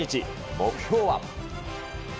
目標は。